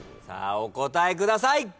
さあお答えください。